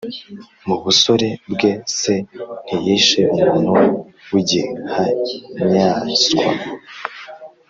Mu busore bwe se ntiyishe umuntu w’igihanyaswa,